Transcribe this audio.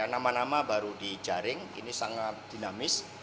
nama nama baru dijaring ini sangat dinamis